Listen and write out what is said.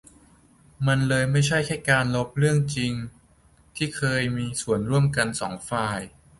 มันเลยไม่ใช่แค่การลบเรื่องจริงที่เคยมีร่วมกันสองฝ่าย